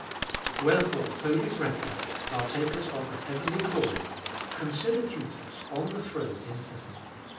3. Wherefore, holy brethren, partakers of a heavenly calling, consider Jesus on the throne in heaven!